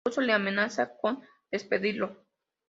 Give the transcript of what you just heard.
Incluso le amenaza con despedirlo.